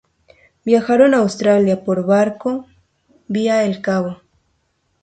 Viajaron a Australia por barco, vía el Cabo.